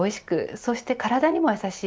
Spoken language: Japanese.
そして体にもやさしい